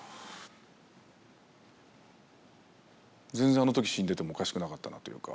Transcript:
全然あのとき死んでてもおかしくなかったなというか。